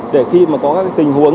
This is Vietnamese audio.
để khi có các tình huống